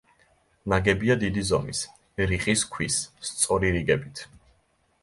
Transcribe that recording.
ნაგებია დიდი ზომის, რიყის ქვის, სწორი რიგებით.